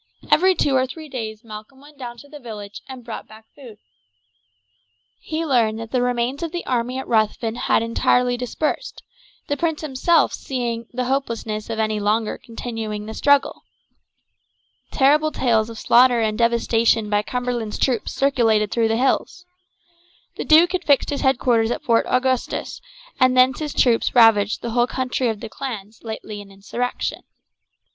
Every two or three days Malcolm went down to the village and brought back food. He learned that the remains of the army at Ruthven had entirely dispersed, the prince himself seeing the hopelessness of any longer continuing the struggle. Terrible tales of slaughter and devastation by Cumberland's troops circulated through the hills. The duke had fixed his headquarters at Fort Augustus, and thence his troops ravaged the whole country of the clans lately in insurrection.